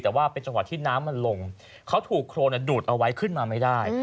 แต่ว่าเป็นจังหวะที่น้ำมันลงเขาถูกโครนดูดเอาไว้ขึ้นมาไม่ได้